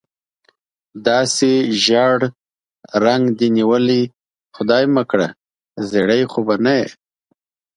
داسې ژېړ رنګ دې نیولی، خدای مکړه زېړی خو به نه یې؟